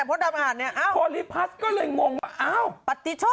เพราะดำอาหารเนี่ยโพลิพัสก็เลยงงว่าอ้าวปัดติดโชค